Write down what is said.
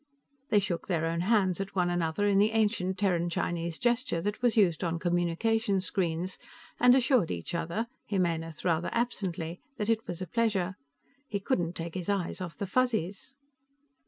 They shook their own hands at one another in the ancient Terran Chinese gesture that was used on communication screens, and assured each other Jimenez rather absently that it was a pleasure. He couldn't take his eyes off the Fuzzies.